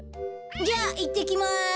じゃあいってきます。